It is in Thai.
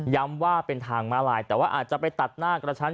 ว่าเป็นทางมาลายแต่ว่าอาจจะไปตัดหน้ากระชั้น